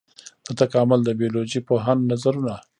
د تکامل د بيولوژي پوهانو نظرونه.